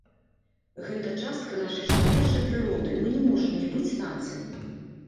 Гэта частка нашай чалавечай прыроды, мы не можам не быць нацыяй.